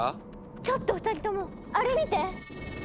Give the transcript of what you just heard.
⁉ちょっと２人ともあれ見て！